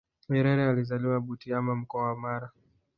nyerere alizaliwa butiama mkoa wa mara